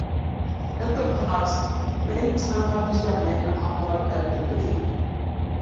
In the past, many Tanka fishermen harboured at the bay.